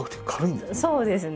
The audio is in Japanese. そうですね。